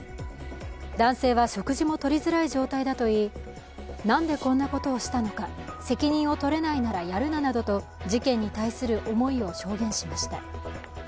男性は食事も取りづらい状態だといいなんでこんなことをしたのか責任を取れないなら、やるななどと、事件に対する思いを証言しました。